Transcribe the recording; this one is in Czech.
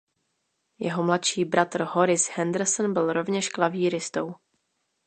Jeho mladší bratr Horace Henderson byl rovněž klavíristou.